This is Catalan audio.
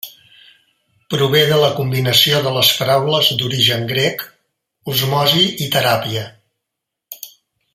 Prové de la combinació de les paraules d'origen grec, osmosi i teràpia.